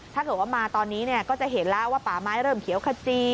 ถ้าเกิดว่ามาตอนนี้เนี่ยก็จะเห็นแล้วว่าป่าไม้เริ่มเขียวขจี